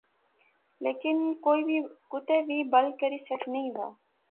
لیکن کوتے وی بل کری سیٹ نی وہا